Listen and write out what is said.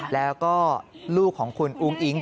แล้วก็ลูกของคุณอุ้งอิ๊ง